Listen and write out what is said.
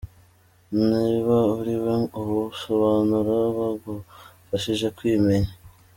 Niba uriwe ubu busobanuro bugufashije kwimenya.